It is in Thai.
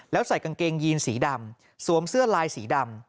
แล้วใส่กางเกงยีนสีดำสวมเสื้อลายสีดำ